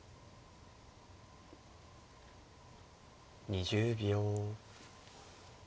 ２０秒。